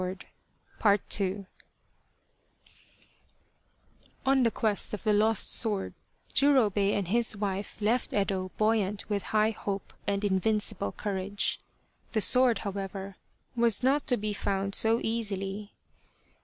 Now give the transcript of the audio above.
12 PART II ON the quest of the lost sword Jurobei and his wife left Yedo buoyant with high hope and invincible courage. The sword, however, was not to be found so easily.